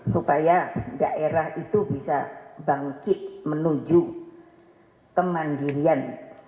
supaya daerah itu bisa bangkit menuju kemandirian